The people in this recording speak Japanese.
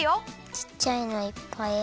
ちっちゃいのいっぱいある。